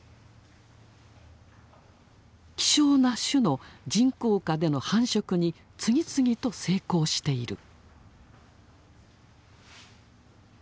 希少な種の人工下での繁殖に次々と成功している。